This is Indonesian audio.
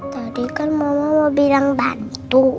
tadi kan mama mau bilang bantu